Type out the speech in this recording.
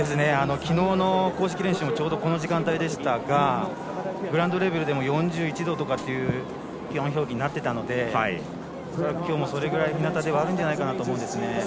昨日の公式練習もちょうどこの時間帯でしたがグラウンドレベルでも４１度とかっていう気温表記になっていたので今日もそれぐらい、日なたではあるんじゃないかなと思います。